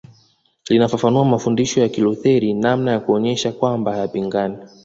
Linafafanua mafundisho ya Kilutheri namna ya kuonyesha kwamba hayapingani